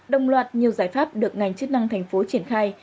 đồng loạt nhiều giải pháp được ngành chức năng thành phố triển khai